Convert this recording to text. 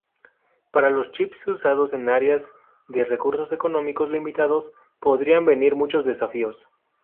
Para los chips usados en áreas de recursos económicos limitados, podrían venir muchos desafíos.